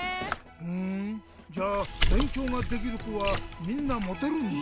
ふんじゃあべんきょうができるこはみんなモテるんだ？